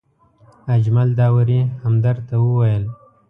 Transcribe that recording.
اجمل داوري همدرد ته وویل.